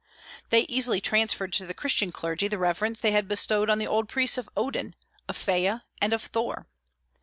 They easily transferred to the Christian clergy the reverence they had bestowed on the old priests of Odin, of Freya, and of Thor.